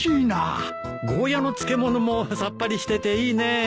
ゴーヤの漬物もさっぱりしてていいねえ。